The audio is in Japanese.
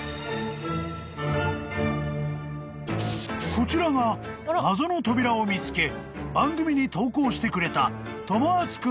［こちらが謎の扉を見つけ番組に投稿してくれた］小学校。